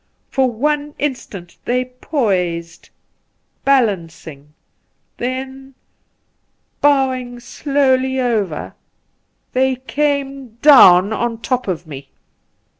For one instant they poised, balancing ; then, bowing slowly over, they came, down on the top of me.